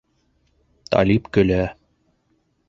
Талип көлә.